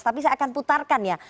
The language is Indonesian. tapi saya akan putarkan ya